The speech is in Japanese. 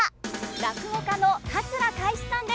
落語家の桂かい枝さんです。